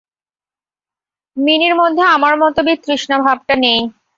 মিনির মধ্যে আমার মতো বিতৃষ্ণা ভাবটা নেই।